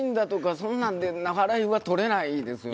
そんなんで笑いはとれないですよね。